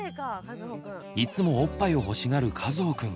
いつもおっぱいを欲しがるかずほくん。